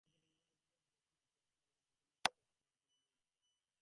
তোদের বিবাহের গুজব যখন উঠে পড়েছে তখন নিশ্চয়ই সেটা সংগত বলেই উঠেছে।